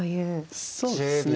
そうですね。